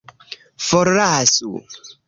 forlasu